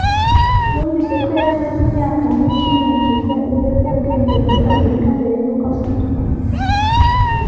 Numvise ko yari amaze imyaka myinshi yinjiza ibiyobyabwenge muri Amerika mbere yuko afatwa.